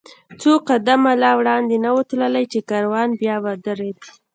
څو قدمه لا وړاندې نه و تللي، چې کاروان بیا ودرېد.